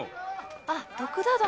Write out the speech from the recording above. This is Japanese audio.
あ徳田殿。